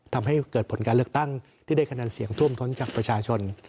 ทำให้เกิดผลการเลือกตั้งที่ได้คะแนนเสียงท่วมท้นจากประชาชน